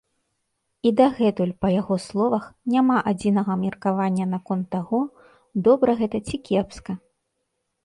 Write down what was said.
І дагэтуль, па яго словах, няма адзінага меркавання наконт таго, добра гэта ці кепска.